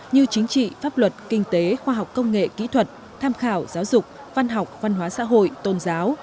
như chính trị pháp luật kinh tế khoa học công nghệ kỹ thuật tham khảo giáo dục văn học văn hóa xã hội tôn giáo